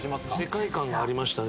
世界観がありましたね。